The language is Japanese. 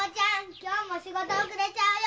今日も仕事遅れちゃうよ。